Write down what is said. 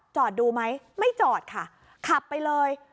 จอดดูไหมไม่จอดค่ะขับไปเลย